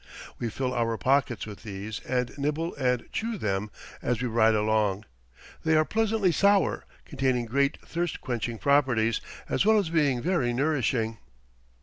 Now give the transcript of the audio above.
We fill our pockets with these and nibble and chew them as we ride along. They are pleasantly sour, containing great thirst quemhing properties, as well as being very nourishing.